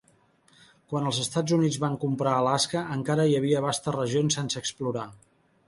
Quan els Estats Units van comprar Alaska encara hi havia vastes regions sense explorar.